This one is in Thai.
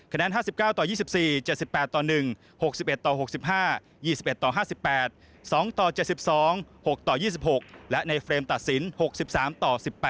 แนน๕๙ต่อ๒๔๗๘ต่อ๑๖๑ต่อ๖๕๒๑ต่อ๕๘๒ต่อ๗๒๖ต่อ๒๖และในเฟรมตัดสิน๖๓ต่อ๑๘